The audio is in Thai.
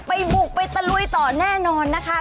ไปบุกไปตะลุยต่อแน่นอนนะคะ